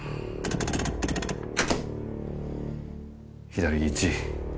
左１。